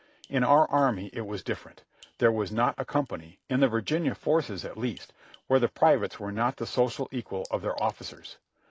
In our army it was differ ent; there was not a company, in the Virginia forces at least, where the privates were not the social equal of their officers.